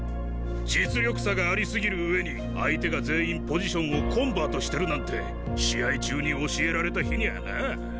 実力差がありすぎる上に相手が全員ポジションをコンバートしてるなんて試合中に教えられた日にゃあな。